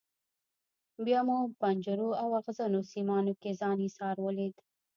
بیا مو په پنجرو او ازغنو سیمانو کې ځان ایسار ولید.